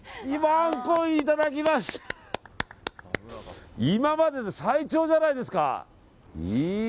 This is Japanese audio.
今までで最長じゃないですか。